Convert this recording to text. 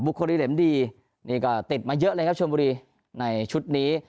คดีเหล็มดีนี่ก็ติดมาเยอะเลยครับชวนบุรีในชุดนี้